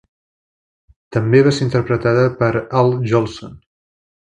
També va ser interpretada per Al Jolson.